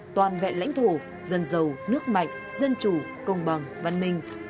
toàn vẹn lãnh thổ dân giàu nước mạnh dân chủ công bằng văn minh